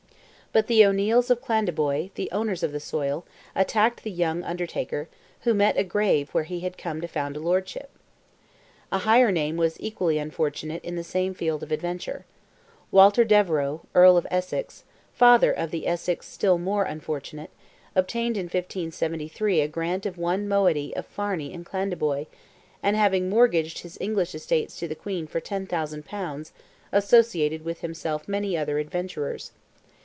But the O'Neils of Clandeboy, the owners of the soil, attacked the young Undertaker, who met a grave where he had come to found a lordship. A higher name was equally unfortunate in the same field of adventure. Walter Devereux, Earl of Essex (father of the Essex still more unfortunate), obtained in 1573 a grant of one moiety of Farney and Clandeboy, and having mortgaged his English estates to the Queen for 10,000 pounds, associated with himself many other adventurers.